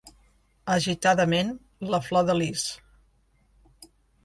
Agitadament, la flor de lis.